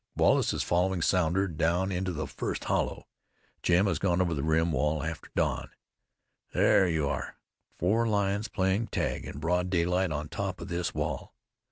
Wallace is following Sounder down into the first hollow. Jim has gone over the rim wall after Don. There you are! Four lions playing tag in broad daylight on top of this wall!